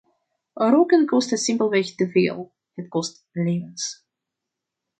Roken kost simpelweg te veel; het kost levens.